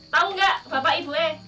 tau nggak bapak ibu e